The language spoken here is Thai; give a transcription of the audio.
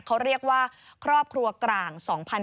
เขาเรียกว่าครอบครัวกลาง๒๐๑๘